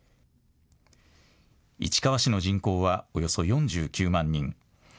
市川市の人口はおよそ４９万人。